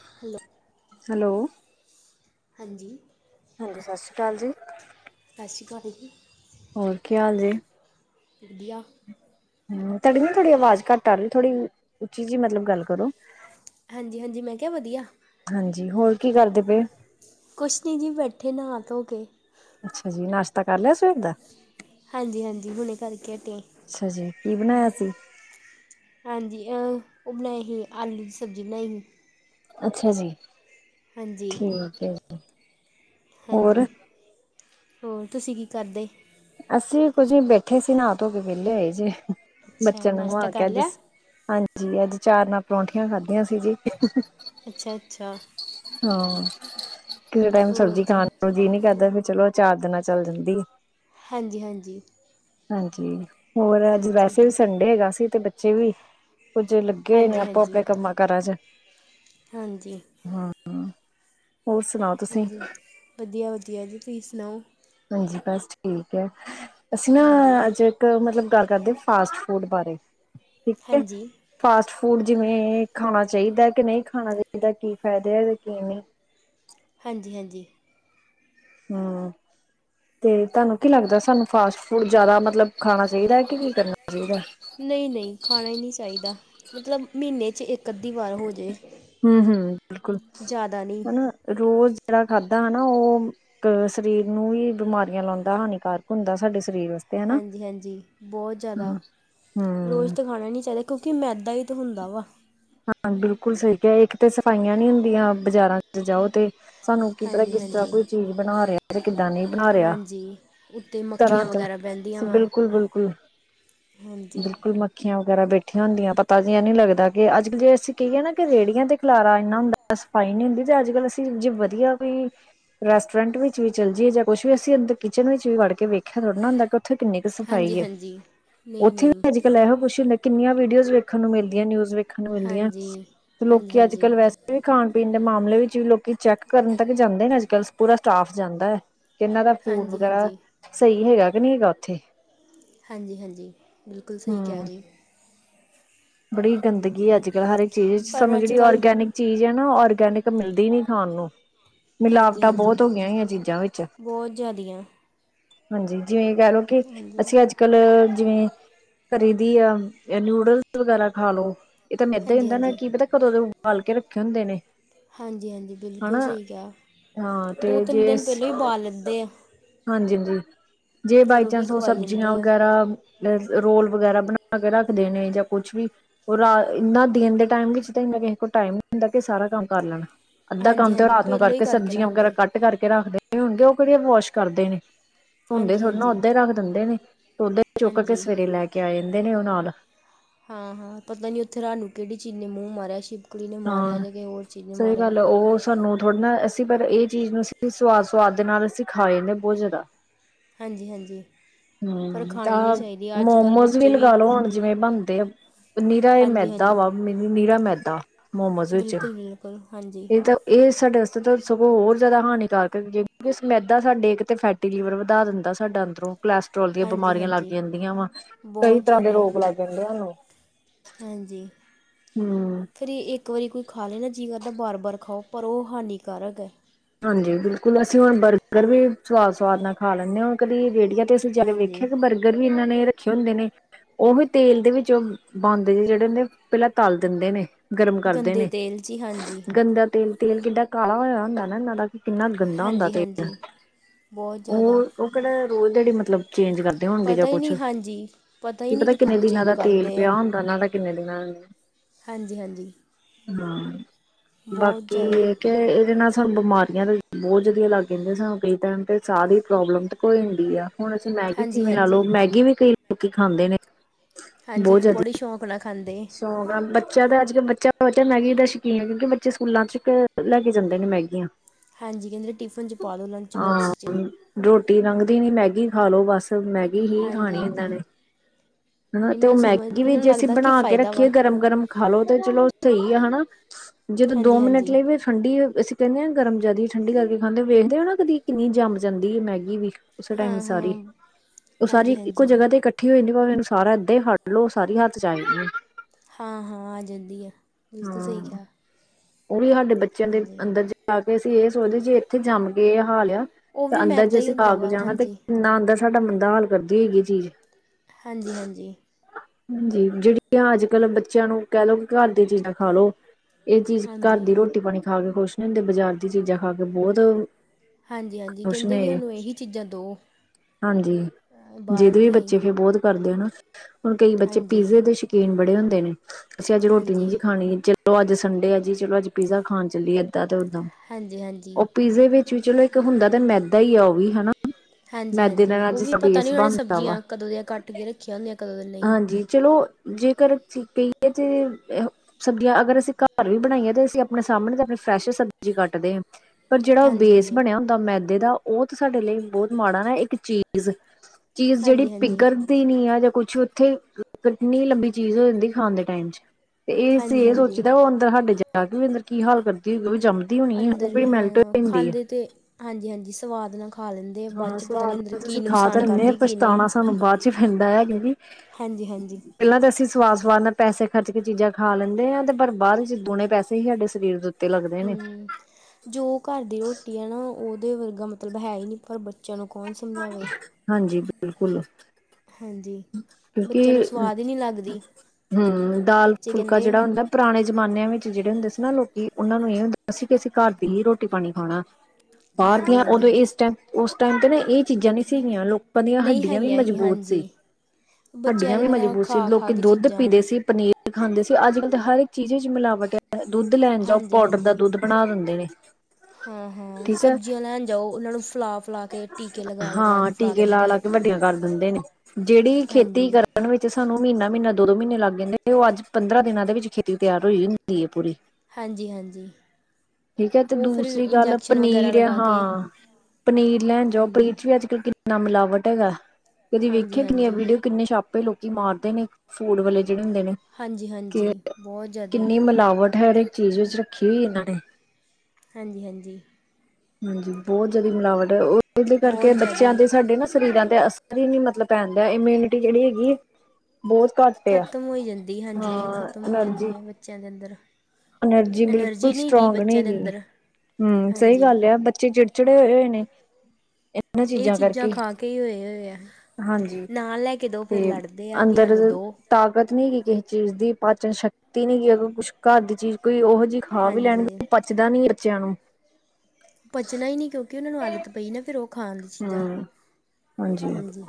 Hello hello. ਹਾਂਜੀ, ਹਾਂਜੀ ਸਤਿ ਸ਼੍ਰੀ ਅਕਾਲ ਜੀ। ਸਤਿ ਸ਼੍ਰੀ ਅਕਾਲ ਜੀ। ਹੋਰ, ਕੀ ਹਾਲ ਐ। ਵਧੀਆ ਹੂੰ, ਤੁਹਾਡੀ ਨਾ ਥੋੜੀ ਆਵਾਜ਼ ਘੱਟ ਆ ਰਹੀ ਥੋੜੀ, ਉੱਚੀ ਜੀ ਮਤਲਬ ਗੱਲ ਕਰੋ। ਹਾਂਜੀ, ਹਾਂਜੀ ਮੈਂ ਕਿਹਾ ਵਧੀਆ ਹਾਂਜੀ, ਹੋਰ ਕੀ ਕਰਦੇ ਪਏ। ਕੁਛ ਨੀ ਜੀ ਬੈਠੇ ਨਹਾ ਧੋ ਕੇ ਅੱਛਾ ਜੀ ਨਾਸ਼ਤਾ ਕਰ ਲਿਆ ਸਵੇਰ ਦਾ ਹਾਂਜੀ, ਹਾਂਜੀ ਹੁਣੇ ਕਰਕੇ ਹਟੇ ਅੱਛਾ ਜੀ, ਕੀ ਬਣਾਇਆ ਸੀ। ਹਾਂਜੀ ਆਹ, ਉਹ ਬਣਾਈ ਸੀ ਆਲੂ ਦੀ ਸਬਜ਼ੀ ਬਣਾਈ ਹੀ ਅੱਛਾ ਜੀ ਹਾਂਜੀ, ਠੀਕ ਐ ਜੀ। ਹਾਂਜੀ, ਹੋਰ ਤੁਸੀਂ ਕੀ ਕਰਦੇ। ਅਸੀਂ, ਕੁਝ ਬੈਠੇ ਸੀ ਨਹਾ ਧੋ ਕੇ ਵਿਹਲੇ ਹੋਏ ਸੀ ਜੇ ਅੱਛਾ ਬੱਚਿਆਂ ਨੂੰ ਨਾਸ਼ਤਾ ਨਵਾ ਕਰ ਕੇ ਅੱਜ, ਲਿਆ ਹਾਂਜੀ, ਅੱਜ, ਚਾਰ ਨਾਲ ਪਰੌਠੀਆਂ ਖਾਧੀਆਂ ਸੀ ਜੀ। ਅੱਛਾ, ਅੱਛਾ। ਹਾਂ, ਕਿਸੇ ਟਾਈਮ ਸਬਜ਼ੀ ਖਾਣ। ਜੀ ਨੀਂ ਕਰਦਾ ਫਿਰ ਚਲੋਂ ਆਚਾਰ ਦੇ ਨਾਲ ਚੱਲ ਜਾਂਦੀ। ਹਾਂਜੀ, ਹਾਂਜੀ, ਹਾਂਜੀ, ਹੋਰ ਅੱਜ ਹਾਂਜੀ ਵੈਸੇ ਵੀ ਸੰਡੇ ਹੈਗਾ ਸੀ ਬੱਚੇ ਵੀ। ਕੁੱਝ, ਲੱਗੇ ਨੇ ਹਾਂਜੀ ਆਪੋ ਆਪਣੇ ਕੰਮਾਂ ਕਾਰਾਂ ਚ। ਹਾਂਜੀ, ਹਾਂ, ਹੋਰ ਸੁਣਾਓ ਤੁਸੀਂ? ਹਾਂਜੀ, ਵਧੀਆ ਵਧੀਆ ਜੀ ਤੁਸੀਂ ਸੁਣਾਓ। ਹਾਂਜੀ, ਬਸ ਠੀਕ ਆ ਅਸੀਂ ਨਾ ਹਾਂਜੀ ਅੱਜ। ਮਤਲਬ ਗੱਲ ਕਰਦੇ ਫਾਸਟ ਫੂਡ ਬਾਰੇ ਠੀਕ ਐ। ਹਾਂਜੀ ਫਾਸਟ ਫੂਡ ਜਿਵੇਂ ਖਾਣਾ ਚਾਹੀਦਾ, ਕਿ ਨਹੀਂ ਖਾਣਾ ਚਾਹੀਦਾ ਕੀ ਫ਼ਾਇਦੇ ਐ ਤੇ ਕੀ ਨਹੀਂ। ਹਾਂਜੀ, ਹਾਂਜੀ, ਹਾਂ, ਤੇ ਤੁਹਾਨੂੰ ਕੀ ਲੱਗਦਾ, ਸਾਨੂੰ ਫਾਸਟ-ਫੂਡ ਜਿਆਦਾ ਮਤਲਬ ਖਾਣਾ ਚਾਹੀਦਾ ਹੈ ਕਿ, ਕੀ ਕਰਨਾ ਚਾਹੀਦਾ? ਨਹੀਂ-ਨਹੀਂ, ਖਾਣਾ ਹੀ ਨਹੀਂ ਚਾਹੀਦਾ, ਮਤਲਬ ਮ੍ਹੀਨੇ'ਚ ਇੱਕ ਇਕ ਅੱਧੀ ਵਾਰ ਹੋਜੇ, ਹਮ ਹਮ ਬਿਲਕੁਲ ਜ਼ਿਆਦਾ ਨਹੀਂ‌। ਹਨਾ ਰੋਜ਼, ਜਿਹੜਾ ਖਾਧਾ ਹਨਾ, ਉਹ ਇੱਕ ਸਰੀਰ ਨੂੰ ਈ ਬਿਮਾਰੀਆਂ ਲਾਉਂਦਾਂ, ਹਾਨੀਕਾਰਕ ਹੁੰਦਾ, ਸਾਡੇ ਸਰੀਰ ਵਾਸਤੇ। ਹਨਾ। ਹਾਂਜੀ-ਹਾਂਜੀ, ਬਹੁਤ ਜ਼ਿਆਦਾ ਹਮ ਰੋਜ਼ ਤਾਂ ਖਾਣਾ ਨਹੀਂ ਚਾਹੀਦਾ ਕਿਉਂਕਿ, ਮੈਦਾ ਹੀ ਤੋ, ਹੁੰਦਾ ਵਾ। ਹਾਂ, ਬਿਲਕੁਲ ਸਹੀ ਕਿਹਾ, ਇੱਕ ਤਾਂ ਸਫਾਈਆਂ ਨੀ ਹੁੰਦੀਆਂ, ਬਜ਼ਾਰਾਂ'ਚ ਜਾਓ ਤੇ। ਸਾਨੂੰ ਕੀ ਪਤਾ, ਹਾਂਜੀ ਕਿਸ ਤਰ੍ਹਾਂ ਹਾਂਜੀ ਕੋਈ ਚੀਜ਼ ਬਣਾ ਰਿਹਾ, ਤੇ ਕਿੱਦਾਂ ਨਹੀਂ ਬਣਾ ਰਿਹਾ। ਤੇ ਤਰ੍ਹਾਂ ਮੱਖੀਆਂ ਵਗੈਰਾ ਤਰ੍ਹਾਂ ਬਹਿੰਦੀਆਂ ਵਾ, ਬਿਲਕੁਲ ਬਿਲਕੁਲ ਹਾਂਜੀ। ਬਿਲਕੁਲ ਮੱਖੀਆਂ ਵਗੈਰਾ ਬੈਠੀਆਂ ਹੁੰਦੀਆਂ, ਪਤਾ ਜੀਆ ਨਹੀ ਲੱਗਦਾ, ਕਿ ਅੱਜਗ--ਜੇਸ ਅਸੀਂ ਕਹੀਏ ਨਾ ਕਿ ਰੇਹੜੀਆਂ ਤੇ ਖਲਾਰਾ‌ ਇੰਨਾ ਹੁੰਦਾ, ਸਫ਼ਾਈ ਨਹੀਂ ਹੁੰਦੀ ਤੇ, ਅੱਜ-ਕੱਲ ਅਸੀਂ ਜੇ ਵਧੀਆ ਕੋਈ ਰੈਸਟੋਰੈਂਟ, ਵਿੱਚ ਵੀ ਚੱਲ ਜਾਏ ਜਾਂ ਕੁੱਛ ਵੀ, ਅਸੀਂ ਅੰਦਰ ਕਿਚਨ ਵਿੱਚ, ਵੀ ਵੜਕੇ ਵੇਖਿਆ ਥੋੜਾ ਨਾ ਹੁੰਦਾ, ਕਕ ਉੱਥੇ, ਕਿੰਨੀ ਕੁ ਹਾਂਜੀ ਸਫ਼ਾਈ ਏ, ਹਾਂਜੀ ਨਹੀਂ ਉੱਥੇ ਨਹੀਂ ਵੀ ਕੱਲਾ ਇਹੋ ਕੁਛ ਹੁੰਦੇ, ਕਿੰਨੀਆਂ ਵੀਡੀਓਜ਼ ਵੇਖਣ ਨੂੰ ਮਿਲਦੀਆਂ ਨਿਊਜ਼ ਵੇਖਣ ਨੂੰ ਮਿਲਦੀਆਂ, ਹਾਂਜੀ ਤੇ ਹਾਂਜੀ ਲੋਕੀ ਹਾਂਜੀ ਅੱਜ-ਕੱਲ ਵੈਸੇ ਵੀ ਖਾਣ-ਪੀਣ ਦੇ ਮਾਮਲੇ ਵਿੱਚ ਵੀ ਲੋਕੀ ਚੈੱਕ ਕਰਨ ਤੱਕ ਜਾਂਦੇ ਨੇ ਅੱਜ-ਕੱਲ, ਪੂਰਾ ਸਟਾਫ ਜਾਂਦਾ ਐ। ਕਿ ਇਹਨਾਂ ਦਾ ਫੂਡ ਹਾਂਜੀ ਵਗੈਰਾ ਹਾਂਜੀ ਸਹੀ ਹੈਗਾ, ਕਿ ਨਹੀਂ ਹੈਗਾ, ਉੱਥੇ। ਹਾਂਜੀ-ਹਾਂਜੀ, ਬਿਲਕੁਲ ਸਹੀ ਕਹਿ ਹਮ ਰਹੇ ਓ। ਬੜੀ ਗੰਦਗੀ ਹੈ ਅੱਜ-ਕੱਲ ਹਰ ਇੱਕ ਚੀਜ਼'ਚ, ਪਰ ਸਾਨੂੰ ਅੱਜ ਜਿਹੜੀ ਕੱਲ੍ਹ ਔਰਗੈਨਿਕ ਚੀਜ਼ ਹੈ ਨਾ, ਔਰਗੈਨਿਕ ਮਿਲਦੀ ਨੀ ਖਾਣ ਨੂੰ। ਹਾਂਜੀ ਮਿਲਾਵਟਾਂ ਹਾਂਜੀ ਬਹੁਤ ਹੋ ਗਈਆਂ ਹੋਈਆਂ ਚੀਜ਼ਾਂ ਵਿੱਚ। ਬਹੁਤ ਜ਼ਿਆਦੀਆਂ ਹਾਂਜੀ, ਜਿਵੇਂ ਇਹ ਕਹਿਲੋ ਕਿ, ਹਾਂਜੀ ਅਸੀਂ ਅੱਜ ਕਲਰ, ਜਿਵੇਂ ਘਰੀ ਦੀਆ, ਨੂਡਲ ਵਗੈਰਾ ਖਾਲੋ। ਇਹ ਤਾਂ ਮੈਦਾ ਈ ਹਾਂਜੀ ਹੁੰਦਾ ਨਾ, ਹਾਂਜੀ ਕੀ ਪਤਾ ਕਦੋਂ ਦੇ ਉਬਾਲਕੇ ਰੱਖੇ ਹੁੰਦੇ ਨੇ। ਹਾਂਜੀ-ਹਾਂਜੀ, ਬਿਲਕੁਲ ਹਨਾ ਸਹੀ ਕਿਹਾ, ਹਾਂ ਦੋ-ਤਿੰਨ ਦਿਨ ਪਹਿਲਾਂ ਹੀ ਓਬਾਲ ਲੀਂਦੇ ਆ। ਹਾਂਜੀ-ਹਾਂਜੀ, ਜੇ ਫਿਰ ਉਹੀ ਬਾਈਚਾਂਸ ਉਹ ਖਵਾਈ ਸਬਜ਼ੀਆਂ ਜਾਂਦੇ ਆ ਵਗੈਰਾ ਰੋਲ ਵਗੈਰਾ ਬਣਾਕੇ ਰੱਖਦੇ ਨੇ, ਜਾ ਕੁਛ ਵੀ, ਔਰ ਆ ਇਨਾਂ ਦੇਣ ਦੇ ਟਾਈਮ ਵਿੱਚ ਤਾਂ ਇੰਨਾ ਕਿਹੇ ਕੋਲ ਟਾਈਮ ਨੀ ਹੁੰਦਾ ਕਿ, ਸਾਰਾ ਕੰਮ ਕਰ ਲੈਣ। ਅੱਧਾ ਕੰਮ ਹਾਂਜੀ ਤੇ ਓ ਹਾਂਜੀ ਰਾਤ ਨੂੰ ਪਹਿਲਾਂ ਹੀ ਕਰਕੇ, ਸਬਜ਼ੀਆਂ ਵਗੈਰਾ ਰੱਖਦੇ ਕੱਟ ਕਰਕੇ ਰੱਖਦੇ ਹੋਣਗੇ, ਉਹ ਕਿਹੜੀਆਂ ਵੌਸ਼ ਕਰਦੇ ਨੇ। ਧੋਂਦੇ ਹਾਂਜੀ ਥੋੜ ਨਾ ਹਾਂਜੀ ਓਦਾਂ ਹੀ ਰੱਖ ਦਿੰਦੇ ਨੇ। ਓਦਾਂ ਹੀ ਚੁੱਕਕੇ ਹਾਂਜੀ ਸਵੇਰੇ ਲੈਕੇ ਆ ਜਾਂਦੇ ਨੇ, ਉਹ ਨਾਲ। ਹਾਂ-ਹਾਂ, ਪਤਾ ਨਹੀਂ ਉੱਥੇ ਰਾਣ ਨੂੰ ਕਿਹੜੀ ਚੀਜ਼ ਨੇ ਮੂੰਹ ਮਾਰਿਆ ਸ਼ਿਪਕੜੀ ਨੇ ਮਾਰਿਆ, ਹਾਂ ਜਾ ਕਿਹੇ ਹੋਰ ਚੀਜ਼ ਨੇ ਸਹੀ ਮਾਰਿਆ। ਗੱਲ ਉਹ ਸਾਨੂੰ ਥੋੜ ਨਾ, ਅਸੀਂ ਪਰ ਇਹ ਚੀਜ਼ ਨੂੰ ਸਵਾਦ-ਸੁਵਾਦ ਦੇ ਨਾਲ ਅਸੀਂ ਖਾ ਲੈਂਦੇ ਹਾਂ, ਬਹੁਤ ਜ਼ਿਆਦਾ। ਹਾਂਜੀ-ਹਾਂਜੀ। ਹੂੰ, ਤਾ ਕੱਲ੍ਹ ਮੋਮੋਸ ਵੀ ਬੱਚੇ ਲਗਾਲੋ ਹੁਣ, ਜਿਵੇਂ ਬਣਦੇ ਆ। ਨੀਰਾ ਇਹ ਹਾਂਜੀ ਮੈਦਾ ਹਾਂਜੀ ਵਾ, ਮੈਨੂੰ ਨੀਰਾ ਮੈਦਾ। ਮੋਮੋਜ ਵਿੱਚ, ਬਿਲਕੁਲ ਬਿਲਕੁਲ ਹਾਂਜੀ ਇਹ ਤਾ ਇਹ ਸਾਡੇ ਵਾਸਤੇ ਤਾਂ ਸਗੋਂ ਹੋਰ ਜ਼ਿਆਦਾ ਹਾਨੀਕਾਰਕ ਏ, ਕਿਉਂਕੀ ਮੈਦਾ ਸਾਡੇ ਇੱਕ ਤੇ ਫੈਟ ਟੀ ਲੀਵਰ ਵਧਾ ਦਿੰਦਾ ਸਾਡਾ ਅੰਦਰੋਂ। ਕੋਲੈਸਟਰ੍ਰੋਲ ਦੀਆਂ ਹਾਂਜੀ ਬਿਮਾਰੀਆਂ ਲੱਗ ਹਾਂਜੀ ਜਾਂਦੀਆਂ ਵਾ, ਕਈ ਬਹੁਤ ਤਰ੍ਹਾਂ ਦੇ ਜ਼ਿਆਦੀਆਂ ਰੋਗ ਲੱਗ ਜਾਂਦੇ ਹਾੰਨੂ। ਹਾਂਜੀ। ਹੂੰ ਫਿਰ ਇਹ ਇੱਕ ਵਾਰੀ ਕੋਈ ਖਾਲੇ ਨਾ ਜੀਅ ਕਰਦਾ ਬਾਰ-ਬਾਰ ਖਾਓ, ਪਰ ਉਹ ਹਾਨੀਕਾਰਕ ਹੈ। ਹਾਂਜੀ, ਬਿਲਕੁਲ, ਅਸੀਂ ਹੁਣ ਬਰਗਰ ਵੀ ਸਵਾਦ-ਸਵਾਦ ਨਾਲ ਖਾ ਲੈਂਨੇ ਹਾਂ, ਕਦੀ ਰੇਹੜੀਆਂ ਅਸੀ ਜਾਕੇ ਹਾਂਜੀ ਵੇਖਿਆ, ਕਿ ਬਰਗਰ ਵੀ ਇਹਨਾਂ ਨੇ ਰੱਖੇ ਹੁੰਦੇ ਨੇ। ਉਹੀ ਤੇਲ ਦੇ ਵਿੱਚ, ਉਹ ਬੰਦ ਜੇ ਜਿਹੜੇ ਹੁੰਦੇ ਆ, ਪਹਿਲਾਂ ਤਲ ਦਿੰਦੇ ਨੇ। ਗਰਮ ਕਰਦੇ ਗੰਦੇ ਨੇ। ਤੇਲ ਜੀ ਹਾਂਜੀ ਗੰਦਾ ਤੇਲ, ਤੇਲ ਕਿੱਡਾ ਕਾਲਾ ਹੋਇਆ ਹੁੰਦਾ ਨਾ ਇਹਨਾਂ ਦਾ। ਕਿੰਨਾ ਗੰਦਾ ਹੁੰਦਾ ਹਾਂਜੀ ਤੇਲ, ਹਾਂਜੀ ਬਹੁਤ ਜ਼ਿਆਦਾ ਉਹ, ਉਹ ਕਿਹੜਾ ਰੋਜ਼ ਦਿਹਾੜੀ ਮਤਲਬ ਚੇਂਜ ਕਰ ਹੋਣਗੇ ਜਾ ਪਤਾ ਹੀ ਕੁਛ, ਨਹੀਂ ਹਾਂਜੀ ਹੀ ਕੀ ਨਹੀਂ ਪਤਾ ਕਿ ਕਿੰਨੇ ਕਦੋਂ ਦਿਨਾਂ ਚੇਂਜ ਦਾ ਤੇਲ ਕਰਦੇ ਪਿਆ ਹੁੰਦਾ ਇਹਨਾਂ ਦਾ, ਕਿੰਨੇ ਦਿਨਾਂ ਹਾਂਜੀ-ਹਾਂਜੀ। ਹਾਂ, ਬਾਕੀ ਜੀ ਕਿ ਇਹਦੇ ਨਾਲ ਸਾਨੂੰ ਬਿਮਾਰੀਆਂ ਤਾਂ ਬਹੁਤ ਜਾਦੀਆ ਲੱਗ ਜਾਂਦੀਆਂ, ਸਾਨੂੰ ਕਈ ਟਾਈਮ ਤੇ ਸਾਹ ਦੀ ਪ੍ਰੌਬਲਮ ਕੋਈ ਹੁੰਦੀ ਆ। ਹੁਣ ਅਸੀਂ ਮੈਗੀ ਹਾਂਜੀ ਜਿਵੇਂ ਲਾ ਲਓ। ਹਾਂਜੀ ਮੈਗੀ ਵੀ ਕਈ ਲੋਕੀ ਖਾਂਦੇ ਨੇ। ਹਾਂਜੀ ਬੜੀ ਸ਼ੌਕ ਨਾਲ ਖਾਂਦੇ। ਪ੍ਰੋਗਰਾਮ ਬੱਚੇ। ਬਹੁਤ ਜਿਆਦਾ ਅੱਜ ਕੱਲ੍ਹ ਬੱਚਾ ਬੱਚਾ ਬਹੁਤ ਜਿਆਦਾ ਮੈਗੀ ਦਾ ਸ਼ੌਕੀਨ ਹੈ ਕਿਉਂਕਿ ਬੱਚੇ ਸਕੂਲਾਂ ਚ ਲੈ ਕੇ ਜਾਂਦੇ ਨੇ ਮੈਗੀਆਂ। ਹਾਂਜੀ ਕਹਿੰਦੇ ਨੇ ਟਿਫਿਨ 'ਚ ਪਾ ਦਿਉ। ਲੰਚ ਹਾਂ ਬੋਕਸ 'ਚ ਰੋਟੀ ਲੰਘਦੀ ਨੀ ਮੈਗੀ ਖਾ ਲੋ ਬਸ ਮੈਗੀ ਹੀ ਹਾਂਜੀ ਖਾਣੀ ਇਹਨਾਂ ਹਾਂਜੀ ਨੇ। ਤੇ ਇਹਨਾਂ ਉਹ ਨੂੰ ਸਮਝ ਮੈਗੀ ਵੀ ਇਹਨਾਂ ਨੂੰ ਜੇ ਅਸੀਂ ਲੱਗਦਾ ਕਿ ਬਣਾ ਕੇ ਫਾਇਦਾ ਰੱਖੀਏ। ਵਾ ਗਰਮ ਗਰਮ ਖਾ ਲੋ ਤੇ ਚਲੋ ਸਹੀ ਆ ਹਨਾ ਜਦੋਂ ਦੋ ਹਾਂਜੀ ਮਿੰਟ ਹਾਂਜੀ ਲਈ ਵੀ। ਠੰਡੀ ਅਸੀਂ ਕਹਿੰਦੇ ਹਾਂ ਗਰਮ ਜ਼ਿਆਦਾ ਠੰਡੀ ਕਰਕੇ ਖਾਂਦੇ ਵੇਖਦੇ ਹੋ ਨਾ ਕਦੀ ਕਿੰਨੀ ਜੰਮ ਜਾਂਦੀ ਹੈ ਮੈਗੀ ਵੀ। ਉਸੇ ਟਾਈਮ ਹਾਂ ਹਾਂ ਸਾਰੀ ਉਹ ਸਾਰੀ ਹਾਂਜੀ ਇੱਕੋ ਹਾਂਜੀ ਜਗ੍ਹਾ ਤੇ ਇਕੱਠੀ ਹੋ ਜਾਂਦੀ। ਭਾਵੇਂ ਉਹਨ ਸਾਰਾ ਏਦਾਂ ਹੀ ਕੱਢ ਲਓ ਸਾਰੀ ਹੱਥ ਚ ਆ ਜਾਂਦੀ ਹੈ। ਹਾਂ ਹਾਂ ਆ ਜਾਂਦੀ ਆ ਬਿਲਕੁਲ ਸਹੀ ਹਾਂ ਕਿਹਾ। ਉਹ ਵੀ ਸਾਡੇ ਬੱਚਿਆਂ ਦੇ ਹਾਂਜੀ ਅੰਦਰ ਜਾ ਕੇ ਅਸੀਂ ਇਹ ਸੋਚਦੇ ਜੇ। ਤੇ ਜੰਮ ਕੇ ਏ ਹਾਲ ਆ ਉਹ ਤੇ ਵੀ ਅੰਦਰ ਜੇ ਮੈਦਾ ਹੀ ਅਸੀਂ ਪਾ ਹੁੰਦਾ ਕੇ ਵਾ ਜਾਣਾ ਤੇ ਹਾਂਜੀ ਕਿੰਨਾ ਅੰਦਰ। ਸਾਡਾ ਮੰੰਦਾ ਹਾਲ ਕਰਦੀ ਹੈਗੀ ਏ ਚੀਜ਼। ਹਾਂਜੀ-ਹਾਂਜੀ। ਹਾਂਜੀ, ਜਿਹੜੀਆਂ ਅੱਜ ਕੱਲ੍ਹ ਬੱਚਿਆਂ ਨੂੰ ਕਹਿ ਲਓ ਘਰ ਦੀਆਂ ਚੀਜ਼ਾਂ ਖਾ ਲਉ। ਇਹ ਚੀਜ਼ ਘਰ ਹਾਂਜੀ ਦੀ ਰੋਟੀ ਪਾਣੀ ਖਾ ਕੇ ਖੁਸ਼ ਨਹੀਂ ਹੁੰਦੇ ਬਾਜ਼ਾਰ ਦੀ ਚੀਜ਼ਾਂ ਖਾ ਕੇ ਬਹੁਤ। ਹਾਂਜੀ, ਹਾਂਜੀ ਖੁਸ਼ ਕਹਿੰਦੇ ਨੇ ਕਿ ਇਹ ਸਾਨੂੰ ਇਹੀ ਚੀਜ਼ਾਂ ਦਿਓ। ਹਾਂਜੀ, ਅ, ਬਾਹਰ ਜਿਹਦੇ ਦੀਆਂ ਹੀ ਬੱਚੇ ਫਿਰ ਬਹੁਤ। ਕਰਦੇ ਆ ਨਾਂ ਕਈ ਬੱਚੇ ਹਾਂਜੀ ਪੀਜ਼ੇ ਦੇ ਸ਼ੌਕੀਨ ਬੜੇ ਹੁੰਦੇ ਨੇ ਅਸੀਂ ਅੱਜ ਰੋਟੀ ਨਹੀਂ ਹਾਂਜੀ ਜੀ ਖਾਣੀ। ਚਲੋ ਅੱਜ ਸੰਡੇ ਆ ਜੀ ਚਲੋ ਅੱਜ ਪੀਜ਼ਾ ਖਾਣ ਚੱਲੀਏ ਇਦਾਂ ਤੇ ਉਦਾਂ। ਹਾਂਜੀ ਹਾਂਜੀ। ਪੀਜ਼ੇ ਵਿੱਚ ਵੀ ਚਲੋ ਇੱਕ ਹੁੰਦਾ ਤਾਂ ਮੈਦਾ ਹੀ ਆ ਉਹ ਵੀ ਹਨਾ। ਹਾਂਜੀ, ਮੈਦੇ ਹਾਂਜੀ ਨਾਲ ਉਹ ਅੱਜ ਵੀ ਪਤਾ ਨੀ ਬੇਸ ਉਹਨੇ ਬਣਦਾ ਵਾ ਸਬਜ਼ੀਆਂ ਕਦੋਂ ਦੀਆਂ ਕੱਟ ਕੇ ਰੱਖੀਆਂ ਹੁੰਦੀਆਂ। ਕਦੋਂ ਦੀਆਂ ਨਹੀਂ ਹਾਂਜੀ ਚਲੋ ਜੇਕਰ ਫਿਰ ਕਹੀਏ ਜੇ। ਸਬਜ਼ੀਆਂ ਅਗਰ ਅਸੀਂ ਘਰ ਵੀ ਬਣਾਈਆਂ ਤੇ ਅਸੀਂ ਆਪਣੇ ਸਾਹਮਣੇ ਤਾਂ ਆਪਣੀ ਫਰੈਸ਼ ਸਬਜ਼ੀ ਕੱਟਦੇ ਹਾਂ। ਪਰ ਜਿਹੜਾ ਉਹ ਹਾਂਜੀ ਬੇਸ ਹਾਂਜੀ ਬਣਿਆ ਹੁੰਦਾ ਮੈਦੇ ਦਾ ਉਹ ਤਾਂ ਸਾਡੇ ਲਈ ਬਹੁਤ ਮਾੜਾ ਨਾ ਇੱਕ ਚੀਜ਼। ਚੀਜ਼ ਜਿਹੜੀ ਹਾਂਜੀ ਹਾਂਜੀ ਪਿਗਲਦੀ ਨੀ ਆ ਜਾਂ ਕੁਛ। ਉੱਥੇ ਕਿੰਨੀ ਲੰਬੀ ਚੀਜ਼ ਹੋ ਜਾਂਦੀ ਖਾਣ ਦੇ ਟਾਈਮ ਚ ਤੇ ਇਹ ਅਸੀਂ ਹਾਂਜੀ ਇਹ ਹਾਂਜੀ ਸੋਚਦਾ ਉਹ ਅੰਦਰ ਸਾਡੇ। ਜਾ ਕੇ ਵੀ ਅੰਦਰ ਕੀ ਹਾਲ ਕਰਦੀ ਹੋਏਗੀ ਉਹ ਵੀ ਜੰਮ। ਅੰਦਰ ਵੀ ਹਾਂ ਖਾਂਦੇ ਤੇ ਹਾਂਜੀ-ਹਾਂਜੀ ਸਵਾਦ ਨਾਲ ਖਾ ਲੈਂਦੇ। ਆ ਬਾਅਦ ਹਾਂ 'ਚ ਪਤਾ ਸਵਾਦ ਨਹੀਂ ਅੰਦਰ ਨਾਲ ਕੀ ਤੁਸੀਂ ਖਾ ਤਾਂ ਨੁਕਸਾਨ ਲੈਨੇ ਕਰਦੀ ਕੀ ਪਛਤਾਉਣਾ ਸਾਨੂੰ ਬਾਅਦ ਚ ਹੀ ਪੈਂਦਾ ਕਿਉਂਕਿ। ਹਾਂਜੀ-ਹਾਂਜੀ। ਪਹਿਲਾਂ ਤਾਂ ਅਸੀਂ ਸਵਾਦ ਸਵਾਦ ਨਾਲ ਪੈਸੇ ਖਰਚ ਕੇ ਚੀਜ਼ਾਂ ਖਾ ਲੈਂਦੇ ਹਾਂ ਤੇ ਪਰ ਬਾਅਦ ਵਿੱਚ ਦੁਣੇ ਪੈਸੇ ਹੀ ਸਾਡੇ ਸਰੀਰ ਦੇ ਉਤੇ। ਹੂੰ, ਜੋ ਘਰ ਦੀ ਰੋਟੀ ਹੈ ਨਾ ਉਹਦੇ ਵਰਗਾ ਮਤਲਬ ਹੈ ਹੀ ਨਹੀਂ। ਪਰ ਬਚ ਚਲੋ ਕੌਣ ਸਮਝਾਵੇ। ਹਾਂਜੀ, ਬਿਲਕੁਲ ਹਾਂਜੀ ਬੱਚਿਆਂ ਨੂੰ ਕਿਉਂਕਿ ਸਵਾਦ ਹੀ ਨਹੀਂ ਲੱਗਦੀ ਹੂੰ ਦਾਲ ਬੱਚੇ ਫੁਲਕਾ ਕਹਿੰਦੇ ਜਿਹੜਾ ਹੁੰਦਾ। ਪੁਰਾਣੇ ਜਮਾਨਿਆਂ ਵਿੱਚ ਜਿਹੜੇ ਹੁੰਦੇ ਸੀ ਨਾ ਲੋਕੀ ਉਹਨਾਂ ਨੂੰ ਇਹ ਹੁੰਦਾ ਸੀ ਕਿ ਅਸੀਂ ਘਰ ਦੀ ਹੀ ਰੋਟੀ ਪਾਣੀ ਖਾਣਾ। ਬਾਹਰ ਹਾਂਜੀ ਦੀਆਂ ਉਦੋਂ ਹਾਂਜੀ ਇਸ ਟਾਈਮ ਉਸ ਟਾਈਮ ਤੇ ਨਾ ਇਹ ਚੀਜ਼ਾਂ ਨਹੀ ਸੀ। ਸੀਗੀਆਂ ਲੋਕਾਂ ਦੀਆਂ ਨਹੀਂ ਹੱਡੀਆਂ ਵੀ ਹੈਗੀਆਂ ਮਜ਼ਬੂਤ ਸੀ। ਹਾਂਜੀ ਬੱਚੇ ਹੱਡੀਆਂ ਅੱਜ ਵੀ ਕੱਲ੍ਹ ਮਜ਼ਬੂਤ ਸੀ ਖਾ ਖਾ ਲੋਕੀ ਕੇ ਦੁੱਧ ਚੀਜ਼ਾਂ ਪੀਦੇ ਸੀ। ਪਨੀਰ ਖਾਂਦੇ ਸੀ, ਅੱਜ ਕਲ੍ਹ ਤੇ ਹਰ ਇੱਕ ਚੀਜ਼ ਵਿੱਚ ਮਿਲਾਵਟ ਹੈ। ਦੁੱਧ ਲੈਣ ਜਾਓ, ਹਾਂਜੀ ਪਾਊਡਰ ਦਾ ਹਾਂਜੀ ਦੁੱਧ ਬਣਾ ਦਿੰਦੇ ਨੇ। ਹਾਂ ਹਾਂ ਠੀਕ ਹੈ ਸਬਜ਼ੀਆਂ ਲੈਣ ਜਾਓ। ਉਹਨਾਂ ਨੂੰ ਫੁੱਲਾਂ ਫੁੱਲਾਂ ਕੇ ਟੀਕੇ ਲ ਹਾਂ ਟੀਕੇ ਲਾ-ਲਾ ਕੇ ਵੱਡੀਆਂ ਕਰ ਦਿੰਦੇ ਨੇ। ਜਿਹੜੀ ਖੇਤੀ ਹਾਂਜੀ ਕਰ ਜਿਹਨਾਂ ਵਿੱਚ ਸਾਨੂੰ ਵਿੱਚ ਸਾਨੂੰ ਮਹੀਨਾ-ਮਹੀਨਾ ਦੋ-ਦੋ ਮਹੀਨੇ ਲੱਗ ਜਾਨੇ ਉਹ ਅੱਜ ਪੰਦਰਾਂ ਦਿਨਾਂ ਦੇ ਵਿੱਚ ਖੇਤੀ ਤਿਆਰ ਹੋਈ ਹੁੰਦੀ ਹੈ ਪੂਰੀ। ਹਾਂਜੀ-ਹਾਂਜੀ। ਠੀਕ ਹੈ ਤੇ ਦੂਸਰੀ ਗੱਲ ਵਗੈਰਾ ਪਨੀਰ ਆ ਲਗਾ ਕੇ ਹਾਂ ਪਨੀਰ ਲੈਣ ਜਾਓ। ਹਾਂਜੀ ਪਨੀਰ ਚ ਅੱਜ ਕੱਲ ਕਿੰਨਾ ਮਿਲਾਵਟ ਹੈਗਾ, ਕਦੀ ਹਾਂਜੀ ਵੇਖਿਆ ਕਿੰਨੀਆਂ ਹਾਂਜੀ ਵੀਡੀਓ ਕਿੰਨੇ ਛਾਪੇ ਲੋਕੀ ਮਾਰਦੇ ਨੇ। ਫੂਡ ਵਾਲੇ ਜਿਹੜੇ ਹੁੰਦੇ ਨੇ ਹਾਂਜੀ ਕਿ ਹਾਂਜੀ ਅ ਬਹੁਤ ਜ਼ਿਆਦਾ ਕਿੰਨੀ ਮਿਲਾਵਟ ਹੈ ਇਹਦੇ ਚੀਜ਼ ਵਿੱਚ ਰੱਖੀ ਹੋਈ ਇਹਨਾਂ ਨੇ। ਹਾਂਜੀ-ਹਾਂਜੀ। ਹਾਂਜੀ ਬਹੁਤ ਜ਼ਿਆਦਾ ਮਿਲਾਵਟ ਹੈ ਉਹ ਇਹਦੇ ਬਹੁਤ ਕਰਕੇ ਜ਼ਿਆਦਾ ਬੱਚਿਆਂ ਦੇ ਸਾਡੇ ਨਾ ਸਰੀਰਾਂ ਤੇ ਅਸਰ ਹੀ ਨਹੀਂ ਮਤਲਬ ਪੈਂਦਾ ਇਮਿਊਨਿਟੀ ਜਿਹੜੀ ਹੈਗੀਏ। ਬਹੁਤ ਘੱਟ ਖ਼ਤਮ ਹੋਈ ਜਾਂਦੀ, ਹਾਂਜੀ ਇਹ ਹਾਂ ਖ਼ਤਮ ਹੋਈ ਐਨਰਜੀ ਜਾਂਦੀ ਹੈ ਬੱਚਿਆਂ ਦੇ ਅੰਦਰ। ਐਨਰਜੀ ਬਿਲਕੁਲ ਸਟਰੋਂਗ ਨਹੀਂ ਹੈਗੀ ਹੂੰ ਸਹੀ ਹਾਂਜੀ ਗੱਲ ਆ ਬੱਚੇ ਚਿੜਚਿੜੇ ਚਿੜੇ ਹੋਏ ਹੋਏ ਨੇ ਏ। ਇਹ ਚੀਜ਼ਾਂ ਖਾ ਕੇ ਹੀ ਹੋਏ-ਹੋਏ ਅ। ਹਾਂਜੀ ਨਾ ਲੈ ਕੇ ਦੋ ਫਿਰ ਤੇ ਲੜਦੇ ਆ ਕਿ ਸਾਨੂੰ ਅੰਦਰ ਦੋ। ਤਾਕਤ ਨਹੀਂ ਹੈਗੀ ਕਿਸੇ ਚੀਜ਼ ਦੀ ਪਾਚਨ ਸ਼ਕਤੀ ਨਹੀਂ ਹੈਗੀ ਅਗਰ ਕੁਛ ਘਰ ਦੀ ਚੀਜ਼ ਕੋਈ ਉਹੋ ਜਿਹੀ ਖਾ ਵੀ ਹਾਂਜੀ ਲੈਣਗੇ ਪੱਚਦਾ ਨਹੀਂ ਏ ਬੱਚਿਆਂ ਨੂੰ। ਪਚਣਾ ਹੀ ਨਹੀਂ ਕਿਉਂਕਿ ਉਹਨਾਂ ਨੂੰ ਆਦਤ ਪਈ ਨਾ ਫਿਰ ਉਹ ਖਾਣ ਦੀ ਚੀਜ਼ਾਂ ਹੂੰ, ਹਾਂਜੀ।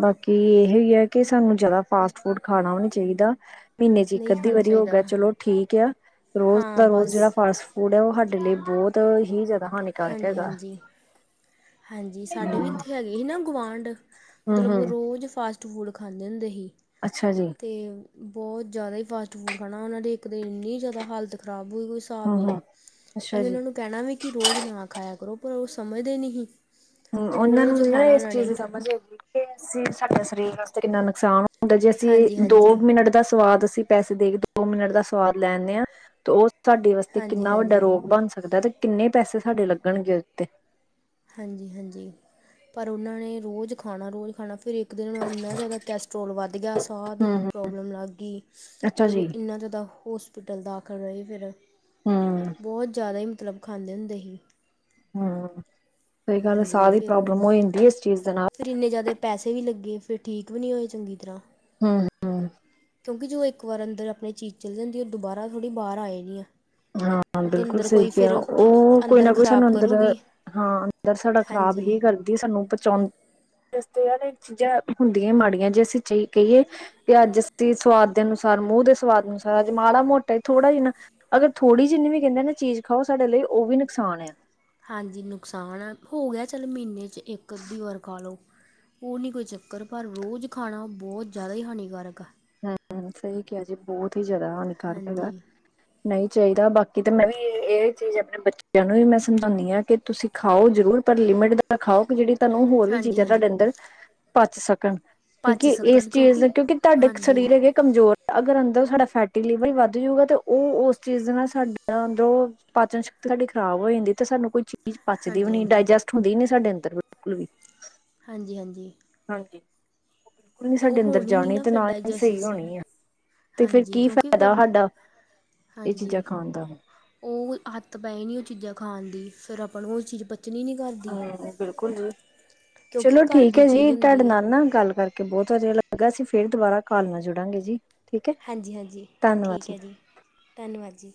ਬਾਕੀ ਇਹੋ ਹੀ ਹੈ ਕਿ ਸਾਨੂੰ ਜ਼ਿਆਦਾ ਫਾਸਟ ਫੂਡ ਖਾਣਾ ਵੀ ਨਹੀਂ ਚਾਹੀਦਾ। ਮਹੀਨੇ ਚ ਇੱਕ ਨਹੀਂ ਅੱਧੀ ਖਾਣਾ ਵਾਰੀ ਹੋ ਗਿਆ ਚਾਹੀਦਾ ਚਲੋ ਠੀਕ ਆ ਰੋਜ਼ ਹਾਂ ਦਾ ਰੋਜ਼ ਬਸ ਜਿਹੜਾ ਫਾਸਟ ਫੂਡ ਉਹ ਸਾਡੇ ਲਈ ਬਹੁਤ ਹੀ ਜਿਆਦਾ ਹਾਂਜੀ-ਹਾਂਜੀ-ਹਾਂਜੀ ਸਾਡੇ ਵੀ ਹਮ ਇੱਥੇ ਹੈ ਸੇਰੀ ਨਾ ਗੁਆਂਢ ਮਤਲਬ ਉਹ ਹਮ ਰੋਜ਼ ਫਾਸਟ ਫੂਡ ਖਾਂਦੇ ਹੁੰਦੇ ਸੀ ਅੱਛਾ ਜੀ ਤੇ ਬਹੁਤ ਜ਼ਿਆਦਾ ਹੀ ਫਾਸਟ ਫੂਡ ਖਾਣਾ ਉਹਨਾਂ ਦੀ ਇੱਕ ਦਿਨ ਇੰਨੀ ਜ਼ਿਆਦਾ ਹਾਲਤ ਖਰਾਬ ਹੋਈ ਸੀ। ਹਿਸਾਬ ਹਮ ਨਹੀਂ, ਹਮ ਅੱਛਾ ਅਸੀਂ ਜੀ ਉਹਨਾਂ ਨੂੰ ਕਹਿਣਾ ਵੀ ਕਿ ਰੋਜ਼ ਨਾ ਖਾਇਆ ਕਰੋ ਪਰ ਉਹ ਸਮਝਦੇ ਨਹੀਂ ਹੀ। ਹੂੰ, ਉਹਨਾਂ ਨੂੰ ਇਹ ਹੈ ਇਸ ਚੀਜ਼ ਦੀ ਸਮਝ ਹੈਗੀ ਕਿ ਅਸੀਂ ਸਾਡੇ ਸਰੀਰ ਵਾਸਤੇ ਕਿੰਨਾ ਨੁਕਸਾਨ ਹੁੰਦਾ ਜੇ ਹਾਂਜੀ ਅਸੀਂ ਦੋ ਹਾਂਜੀ ਮਿੰਟ ਦਾ ਸਵਾਦ ਅਸੀਂ ਪੈਸੇ ਦੇਕੇ ਦੋ ਮਿੰਟ ਦਾ ਸਵਾਦ ਲੈ ਆਨੇ ਆ ਤੇ ਉਹ ਸਾਡੇ ਵਾਸਤੇ ਹਾਂਜੀ ਕਿੰਨਾ ਵੱਡਾ ਹਾਂਜੀ ਰੋਗ ਬਣ ਸਕਦਾ ਤੇ ਕਿੰਨੇ ਪੈਸੇ ਸਾਡੇ ਲੱਗਣਗੇ ਉੱਤੇ। ਹਾਂਜੀ-ਹਾਂਜੀ ਪਰ ਉਹਨਾਂ ਨੇ ਰੋਜ਼ ਖਾਣਾ ਰੋਜ਼ ਖਾਣਾ ਫਿਰ ਇੱਕ ਇੱਕ ਦਿਨ ਉਹਨਾਂ ਦਾ ਇੰਨਾ ਜ਼ਿਆਦਾ ਕੈਸਟਰੋਲ ਵੱਧ ਗਿਆ ਸਾਹ ਹਮ ਦੀ ਹਮ ਪ੍ਰੋਬਲਮ ਲੱਗ ਗੀ। ਅੱਛਾ ਮਤਲਬ ਜੀ ਇੰਨਾ ਜ਼ਿਆਦਾ ਹੋਸ ਪਿਟਲ ਦਾਖਲ ਰਹੀ ਫਿਰ ਹਮ ਬਹੁਤ ਜ਼ਿਆਦਾ ਹੀ ਮਤਲਬ ਖਾਂਦੇ ਹੁੰਦੇ ਸੀ ਹੂੰ ਸਹੀ ਗੱਲ ਹਾਂਜੀ ਸਾਹ ਦੀ ਫਿਰ ਪ੍ਰੋਬਲਮ ਹੋ ਜਾਂਦੀ ਹੈ ਇਸ ਚੀਜ਼ ਦੇ ਨਾਲ ਫਿਰ ਇੰਨੇ ਜ਼ਿਆਦਾ ਪੈਸੇ ਵੀ ਲੱਗੇ ਫਿਰ ਠੀਕ ਵੀ ਨਹੀਂ ਹੋਏ ਚੰਗੀ ਤਰ੍ਹਾਂ ਹਾਂ ਕਿਉਂਕਿ ਜਦੋਂ ਇੱਕ ਵਾਰ ਅੰਦਰ ਆਪਣੀ ਚੀਜ਼ ਚਦੀੁੰਦੀ ਉਹ ਦੁਬਾਰਾ ਥੜੀ ਬਾਹਰ ਆਈ ਦੀ ਹੈ। ਹਾਂ ਬਿਲਕੁਲ ਸਹੀ ਕਿਹਾ ਉਹ ਕੋਈ ਅੰਦਰ ਨਾ ਕੋਈ ਸਾਨੂੰ ਖ਼ਰਾਬ ਅੰਦਰ ਕਰੂਗੀ ਹਾਂ ਅੰਦਰ ਸੜਾ ਖ਼ਰਾਬ ਹਾਂਜੀ ਹੀ ਕਰਦੀ ਸਾਨੂੰ ਪਚਾਉਣ ਦੱਸ ਯਾਰ ਚੀਜ਼ਾਂ ਹੁੰਦੀਆਂ ਮਾੜੀਆਂ ਜੇ ਅਸੀਂ ਚ ਕਹੀਏ ਤੇ ਅਜ ਦੀ ਸਵਾਦ ਦੇ ਅਨੁਸਾਰ ਮੂੰਹ ਦੇ ਸਵਾਦ ਅਨੁਸਾਰ ਅੱਜ ਮਾੜਾ ਮੋਟਾ ਹੀ ਥੋੜਾ ਜਿੰਨਾ ਅਗਰ ਥੋੜ੍ਹੀ ਜਿੰਨੀ ਵੀ ਕਹਿੰਦੇ ਨਾ ਚੀਜ਼ ਖਾਓ ਸਾਡੇ ਲਈ ਉਹ ਵੀ ਨੁਕਸਾਨ ਆ ਹਾਂਜੀ ਨੁਕਸਾਨ ਹੋ ਗਿਆ ਚੱਲ ਮਹੀਨੇ ਚ ਇੱਕ ਅੱਧੀ ਵਾਰ ਖਾ ਲੋ ਉਹ ਨਹੀਂ ਕੋਈ ਚੱਕਰ ਪਰ ਰੋਜ਼ ਖਾਣਾ ਬਹੁਤ ਜ਼ਿਆਦਾ ਹੀ ਹਾਨੀਕਾਰਕ ਆ ਹੂੰ ਸਹੀ ਕਿਹਾ ਜੀ ਬਹੁਤ ਹੀ ਜ਼ਿਆਦਾ ਹਾਨੀਕਾਰਕ ਹੈਗਾ ਹਾਂਜੀ ਨਹੀਂ ਚਾਹੀਦਾ ਬਾਕੀ ਤਾਂ ਮੈਂ ਵੀ ਇਹ ਚੀਜ਼ ਆਪਣੇ ਬੱਚਿਆਂ ਨੂੰ ਵੀ ਮੈਂ ਸਮਝਾਉਂਦੀ ਹਾਂ ਕਿ ਤੁਸੀਂ ਖਾਓ ਜ਼ਰੂਰ ਪਰ ਲਿਮਿਟ ਦਾ ਖਾਓ ਕਿ ਜਿਹੜੀ ਤੁਹਾਨੂੰ ਹੋਰ ਵੀ ਹਾਂਜੀ ਚੀਜ਼ਾਂ ਹਾਂਜੀ ਤੁਹਾਡੇ ਅੰਦਰ ਪਚ ਸਕਣ ਪਚ ਕਿਉਂਕਿ ਇਸ ਸਕਣ ਚੀਜ਼ ਨੂੰ ਕਿਉਂਕਿ ਤੁਹਾਡੇ ਹਾਂਜੀ ਇਹ ਕਮਜ਼ੋਰ ਅਗਰ ਅੰਦਰ ਸਾਡਾ ਫੈਟੀ ਲੇਵਲ ਵੱਧ ਜੂਗਾ ਤੇ ਉਹ ਉਸ ਚੀਜ਼ ਦੇ ਨਾਲ ਸਾਡਾ ਅੰਦਰੋਂ ਪਾਚਨ ਸ਼ਕਤੀ ਸਾਡੀ ਖ਼ਰਾਬ ਹੋ ਜਾਂਦੀ ਤੇ ਸਾਨੂੰ ਕੋਈ ਚੀਜ਼ ਪਚਦੀ ਵੀ ਹਾਂਜੀ ਨ ਹਾਂਜੀ ਡਾਇਜੈਸਟ ਹੁੰਦੀ ਹੀ ਨ ਸਾਡੇ ਅੰਦਰ ਬਿਲਕੁਲ ਵੀ ਹਾਂਜੀ-ਹਾਂਜੀ। ਹਾਂਜੀ। ਕੋਈ ਨੀ ਸਾਡੇ ਅੰਦਰ ਹੋਣੀ ਨਹੀਂ ਜਾਣੀ ਤੇ ਫਿਰ ਨਾ ਹੀ ਸਹੀ ਡਾਇਜੈਸਟ ਹੋਣੀ ਆ। ਤੇ ਫਿਰ ਹਾਂਜੀ ਕੀ ਕਿਉਂਕਿ ਫਾਇਦਾ ਫਿਰ ਹਾਂਡਾ ਇਹ ਚੀਜ਼ਾਂ ਹਾਂਜੀ ਖਾਣ ਦ। ਉਹ ਆਦਤ ਪੈ ਜਾਣੀ ਆ ਉਹ ਚੀਜ਼ਾਂ ਖਾਣ ਦੀ ਫਿਰ ਆਪਾਂ ਨੂੰ ਉਹ ਧਚੀਜ਼ ਤ ਨੀ ਕਰਦੀ ਹਾ ਬਿਲਕੁਲ ਜੀ ਕਿਉਂਕਿ ਚਲੋ ਘਰ ਠੀਕ ਦੀ ਹੈ ਚੀਜ਼ ਜੀ ਤੁਹਾਡੇ ਹੁੰਦੀ ਹੈ ਨਾਲ ਨਾ ਗੱਲ ਕਰ ਬਹੁਤ ਵਧੀਆ ਲੱਗਾ ਅਸੀਂ ਫਿਰਰ ਦੁਬਾਰਾ ਕਾਲ ਨਾਲ ਜੁੜਾਂਗੇ ਜੀ ਠੀਕ ਹੈ ਹਾਂਜੀ ਹਾਂਜੀ ਧੰਨਵਾਦ ਠੀਕ ਜੀ ਹੈ ਧੰਨਵਾਦ ਜੀ।